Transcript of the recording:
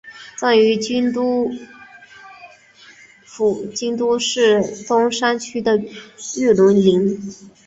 葬于京都府京都市东山区的月轮陵。